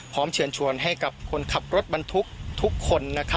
พร้อมเฉินชวนให้กับคนขับรถบันทุกข์ทุกคน